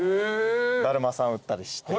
だるまさん売ったりして。